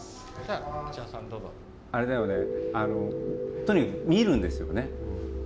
あれだよねとにかく見るんですよね？